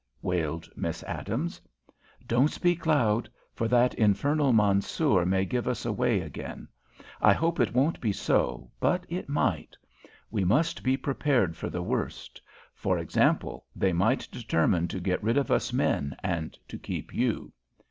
wailed Miss Adams. "Don't speak loud, for that infernal Mansoor may give us away again. I hope it won't be so, but it might. We must be prepared for the worst. For example, they might determine to get rid of us men and to keep you."